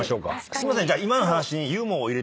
すいません！